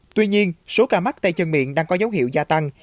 tuy nhiên số ca mắc tay chân miệng đang có dấu hiệu gia tăng